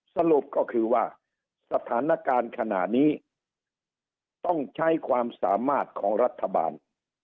สรุปก็คือว่าสถานการณ์ขณะนี้ต้องใช้ความสามารถของรัฐบาล